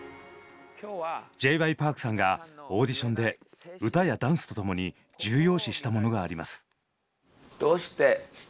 Ｊ．Ｙ．Ｐａｒｋさんがオーディションで歌やダンスと共に重要視したものがあります。